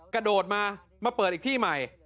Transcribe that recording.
กระโดดมามาเปิดอีกที่ใหม่